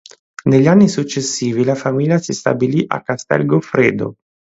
Negli anni successivi la famiglia si stabilì a Castel Goffredo.